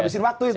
habisin waktu itu